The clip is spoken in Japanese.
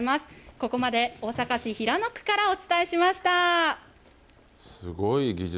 ここまで、大阪市平野区からお伝すごい技術。